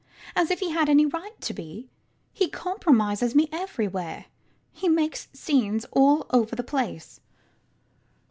As if he had any right to be! He compromises me everywhere. He makes scenes all over the place.